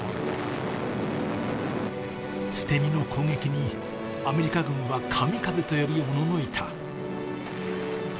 捨て身の攻撃にアメリカ軍はカミカゼと呼び、おののいた。